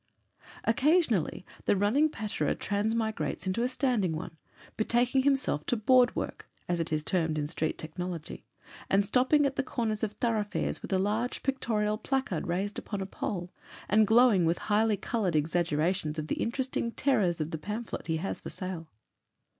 Occasionally, the running patterer transmigrates into a standing one, betaking himself to "board work," as it is termed in street technology, and stopping at the corners of thoroughfares with a large pictorial placard raised upon a pole, and glowing with highly coloured exaggerations of the interesting terrors of the pamphlet he has for sale.